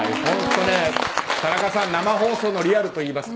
田中さん生放送のリアルといいますか。